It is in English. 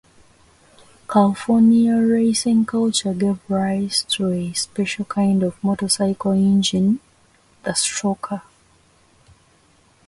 California racing culture gave rise to a special kind of motorcycle engine, the "stroker".